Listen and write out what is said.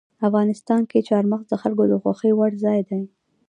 افغانستان کې چار مغز د خلکو د خوښې وړ ځای دی.